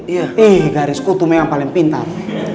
ih garis kutumnya yang paling pintar